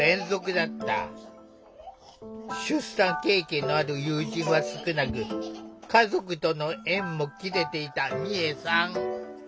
出産経験のある友人は少なく家族との縁も切れていた美恵さん。